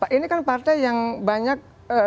ini kan partai yang banyak